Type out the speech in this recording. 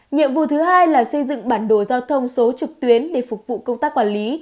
nhiệm vụ thứ hai là xây dựng bản đồ giao thông số trực tuyến để phục vụ công tác quản lý